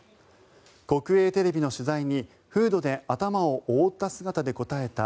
国営テレビの取材にフードで頭を覆った姿で答えた